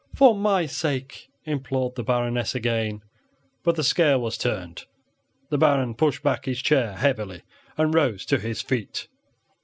"For my sake," implored the Baroness again; but the scale was turned. The Baron pushed back his chair heavily and rose to his feet.